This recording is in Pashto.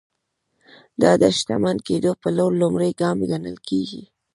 دا د شتمن کېدو پر لور لومړی ګام ګڼل کېږي.